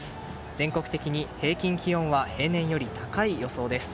全国的に平均気温は平年より高い予想です。